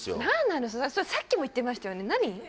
何なのさっきも言ってましたよね何？